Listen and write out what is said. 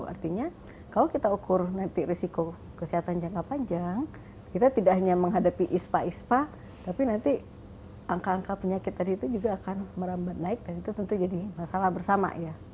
jadi kalau kita ukur nanti risiko kesehatan jangka panjang kita tidak hanya menghadapi ispa ispa tapi nanti angka angka penyakit tadi itu juga akan merambat naik dan itu tentu jadi masalah bersama ya